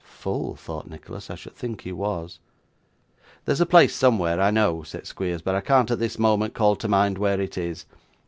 'Full!' thought Nicholas. 'I should think he was.' 'There's a place somewhere, I know,' said Squeers; 'but I can't at this moment call to mind where it is.